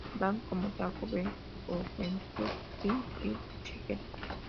Brands, como Taco Bell o Kentucky Fried Chicken.